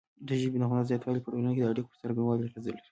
د ژبې د غنا زیاتوالی په ټولنه کې د اړیکو پر څرنګوالي اغیزه لري.